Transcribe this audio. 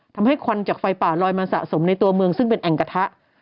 ควันจากไฟป่าลอยมาสะสมในตัวเมืองซึ่งเป็นแอ่งกระทะ